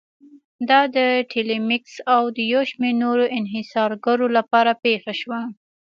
دا د ټیلمکس او یو شمېر نورو انحصارګرو لپاره پېښه شوه.